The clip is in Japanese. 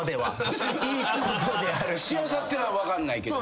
しあさっては分かんないけど。